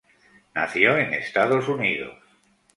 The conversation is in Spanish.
Nació en Estados Unidos.